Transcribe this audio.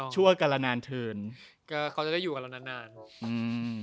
ชั่วกรรณานเทิร์นก็เขาจะได้อยู่กรรณานนานอืม